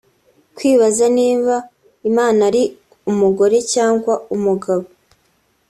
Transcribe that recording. kwibaza niba Imana ari umugore cyangwa umugabo